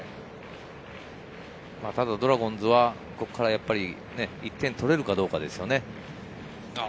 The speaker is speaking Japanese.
ドラゴンズはここから１点取れるかどうかですよね。